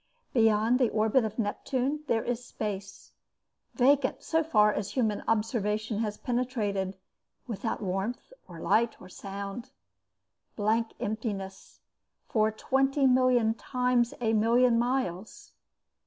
Beyond the orbit of Neptune there is space, vacant so far as human observation has penetrated, without warmth or light or sound, blank emptiness, for twenty million times a million miles.